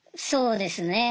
そうですね。